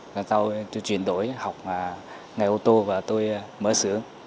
sau đó tôi chuyển đổi học ngày ô tô và tôi mở sướng